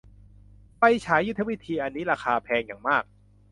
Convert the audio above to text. ไฟฉายยุทธวิธีอันนี้ราคาแพงอย่างมาก